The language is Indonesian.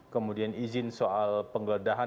kemudian izin soal penggeledahan